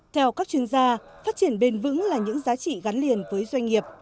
theo các chuyên gia phát triển bền vững là những giá trị gắn liền với doanh nghiệp